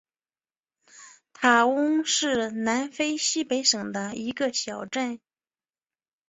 塔翁是南非西北省的一个小镇。